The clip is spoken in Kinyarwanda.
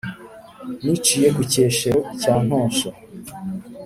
niciye ku Cyeshero cya Ntosho,